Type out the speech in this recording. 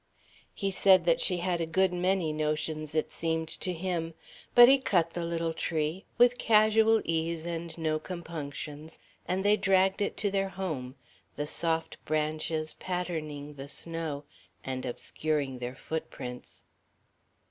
He said that she had a good many notions, it seemed to him. But he cut the little tree, with casual ease and no compunctions, and they dragged it to their home, the soft branches patterning the snow and obscuring their footprints.